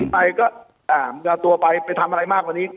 ไปก็เอาตัวไปไปทำอะไรมากกว่านี้